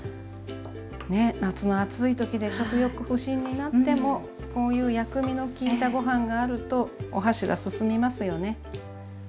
ね夏の暑い時で食欲不振になってもこういう薬味の利いたご飯があるとお箸が進みますよね。